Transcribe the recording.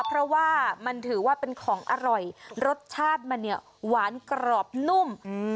เพราะว่ามันถือว่าเป็นของอร่อยรสชาติมันเนี่ยหวานกรอบนุ่ม